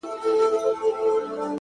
زه مي پر خپلي بې وسۍ باندي پښېمان هم يم;